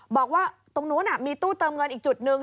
บอกว่าตรงนู้นมีตู้เติมเงินอีกจุดหนึ่ง